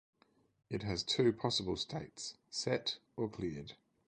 It has two possible states, "set" or "cleared".